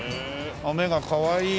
目がかわいいね。